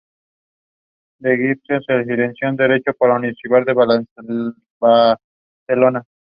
De Gispert se licenció en Derecho por la Universidad de Barcelona.